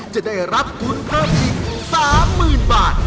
จะได้รับทุนเพิ่มอีก๓๐๐๐บาท